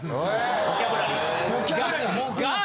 ボキャブラリーが。